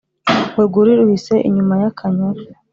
urwuri ruhise inyuma y' akanyaru